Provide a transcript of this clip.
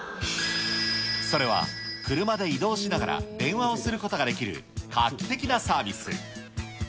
それは車で移動しながら電話をすることができる、画期的なサービス。